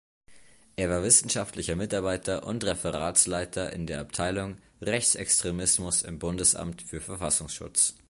Er war wissenschaftlicher Mitarbeiter und Referatsleiter in der Abteilung Rechtsextremismus im Bundesamt für Verfassungsschutz.